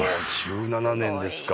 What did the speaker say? １７年ですか。